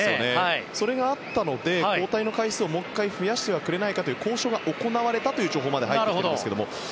それがあったので交代回数をもう１回増やしてくれないかという交渉が行われたという情報までは入っていますが。